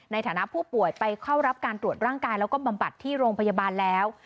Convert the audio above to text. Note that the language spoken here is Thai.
ในฐานะผู้ป่วยไปเข้ารับการตรวจร่างกายแล้วก็บำบัดที่โรงพยาบาลแล้ว